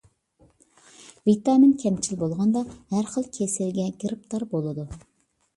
ۋىتامىن كەمچىل بولغاندا، ھەر خىل كېسەلگە گىرىپتار بولىدۇ.